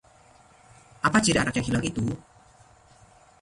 apa ciri anak yang hilang itu?